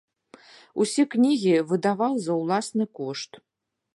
Усе кнігі выдаваў за ўласны кошт.